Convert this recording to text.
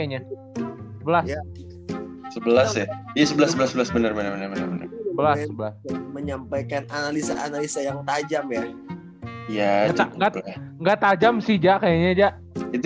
sebelas sebelas sebelas sebelas menyebabkan analisa analisa yang tajam ya iya enggak tajam sijak kayaknya dia itu